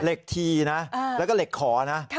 เหล็กทีนะแล้วก็เหล็กขอนะค่ะ